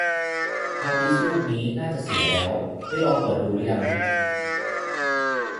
ฮาร์ดดิสก์ลูกนี้น่าจะเสียแล้ว ได้ลองเปิดดูรึยัง